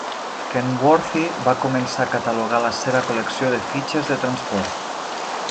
Kenworthy va començar a catalogar la seva col·lecció de fitxes de transport.